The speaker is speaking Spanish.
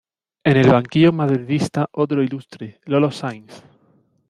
En el banquillo madridista otro ilustre: Lolo Sáinz.